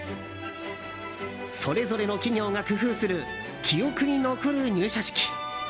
それぞれの企業が工夫する記憶に残る入社式。